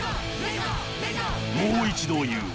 もう一度言う。